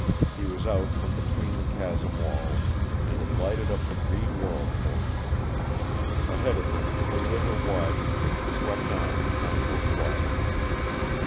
He was out from between the chasm walls, and it lighted up the green world for him. Ahead of him the river widened and swept on in tranquil quiet.